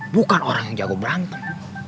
bukan orang yang jago berantem